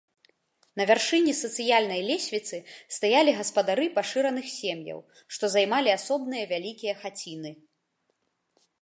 На вяршыні сацыяльнай лесвіцы стаялі гаспадары пашыраных сем'яў, што займалі асобныя вялікія хаціны.